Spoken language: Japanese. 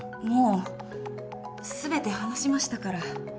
もう全て話しましたから。